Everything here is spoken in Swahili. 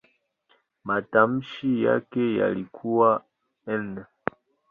Matamshi yake yalikuwa "n".